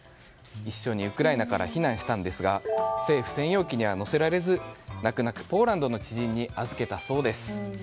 一緒にウクライナから避難したんですが政府専用機には乗せられず泣く泣くポーランドの知人に預けたそうです。